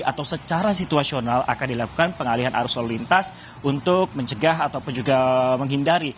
atau secara situasional akan dilakukan pengalihan arus lalu lintas untuk mencegah ataupun juga menghindari